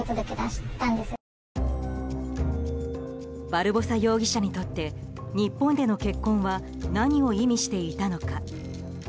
バルボサ容疑者にとって日本での結婚は何を意味していたのか。